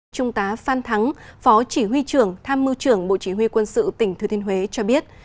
trung tá phan thắng phó chỉ huy trưởng tham mưu trưởng bộ chỉ huy quân sự tỉnh thừa thiên huế cho biết